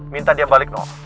minta dia balik no